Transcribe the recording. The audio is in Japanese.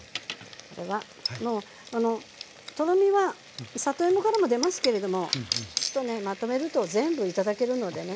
これはもうとろみは里芋からも出ますけれどもまとめると全部頂けるのでね。